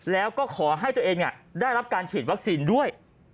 แล้วก็ขอให้ตัวเองได้รับการฉีดวัคซีนด้วย